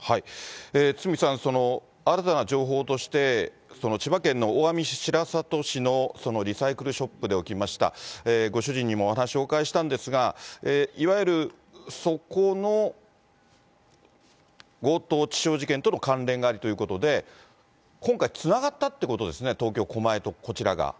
堤さん、その新たな情報として、その千葉県の大網白里市のリサイクルショップで起きました、ご主人にもお話をお伺いしたんですが、いわゆるそこの強盗致傷事件との関連ありということで、今回、つながったということですね、東京・狛江とこちらが。